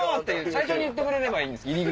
最初に言ってくれればいいんですけど。